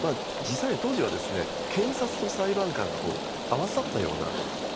実際当時は検察と裁判官が合わさったような。